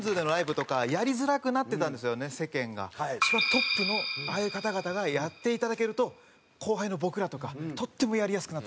トップのああいう方々がやっていただけると後輩の僕らとかとってもやりやすくなったんです。